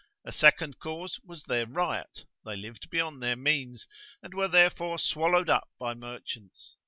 A second cause was their riot, they lived beyond their means, and were therefore swallowed up by merchants.